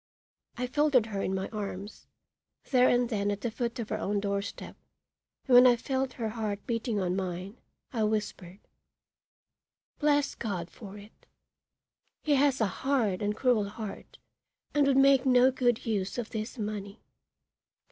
I folded her in my arms, there and then at the foot of her own doorstep, and when I felt her heart beating on mine, I whispered: "Bless God for it! He has a hard and cruel heart, and would make no good use of this money.